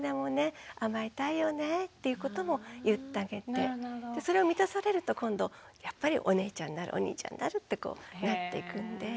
甘えたいよねっていうことも言ってあげてそれを満たされると今度やっぱりお姉ちゃんになるお兄ちゃんになるってなっていくんで。